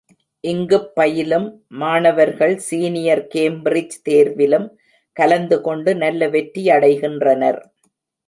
இங்குப் பயிலும் மாணவர்கள் senior Cambridge தேர்விலும் கலந்துகொண்டு நல்ல வெற்றியடைகின்றனர்.